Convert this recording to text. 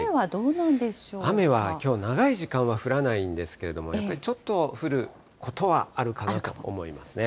雨はきょう、長い時間は降らないんですけれども、ちょっと降ることはあるかなと思いますね。